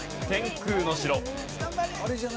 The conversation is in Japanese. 天空の城。